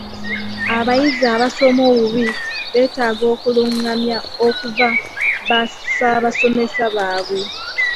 Abayizi abasoma obubi beetaaga okulungamya okuva bassaabasomesa baabwe.